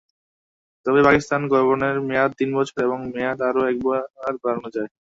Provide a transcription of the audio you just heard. তবে পাকিস্তানে গভর্নরের মেয়াদ তিন বছর এবং মেয়াদ আরও একবার বাড়ানো যায়।